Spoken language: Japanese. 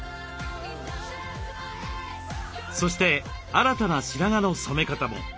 そして新たな白髪の染め方も。